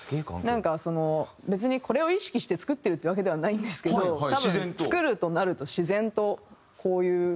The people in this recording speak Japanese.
なんかその別にこれを意識して作ってるっていうわけではないんですけど多分作るとなると自然とこういう。